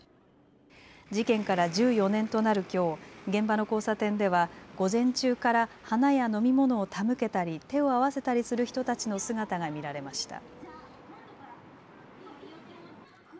事件から１４年となるきょう、現場の交差点では午前中から花や飲み物を手向けたり手を合わせたりする人たちの姿が見られました。